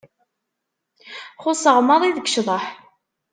Xuṣṣeɣ maḍi deg ccḍeḥ.